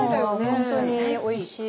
本当においしい。